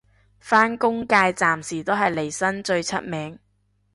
返工界暫時都係嚟生最出名